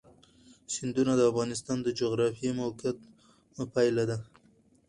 سیندونه د افغانستان د جغرافیایي موقیعت پایله ده.